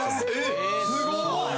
すごい！